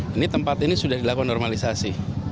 ini tempat ini sudah dilakukan normalisasi